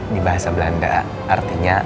di bahasa belanda artinya